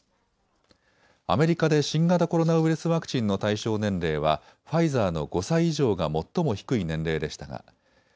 アメリカで新型コロナウイルスワクチンの対象年齢はファイザーの５歳以上が最も低い年齢でした。